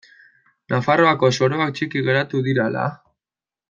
Nafarroako soroak txiki geratu dira ala?